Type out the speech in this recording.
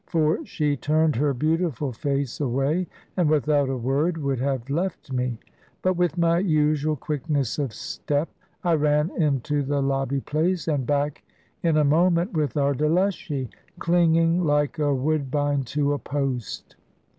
For she turned her beautiful face away, and without a word would have left me. But with my usual quickness of step, I ran into the lobby place, and back in a moment with our Delushy, clinging like a woodbine to a post.